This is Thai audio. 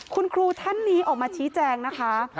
คุณครูท่านนี้ออกมาชี้แจงนะคะ